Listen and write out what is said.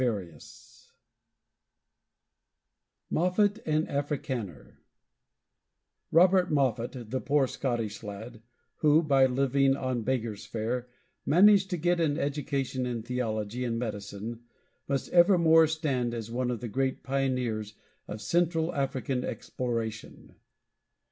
MAX HILL MOFFAT AND AFRICANER Robert Moffat, the poor Scotch lad, who, by living on beggar's fare, managed to get an education in theology and medicine, must evermore stand as one of the great pioneers of Central African exploration.